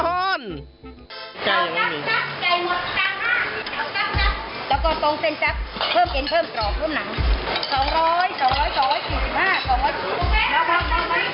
๒จับจับจับจับแล้วก็ตรงเส้นจับเพิ่มเอ็นเพิ่มกรอบร่วมหนัง